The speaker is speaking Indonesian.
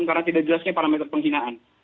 karena tidak jelasnya parameter penghinaan